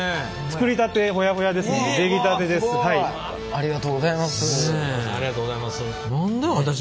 ありがとうございます。